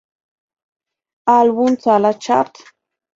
Álbum Salas Chart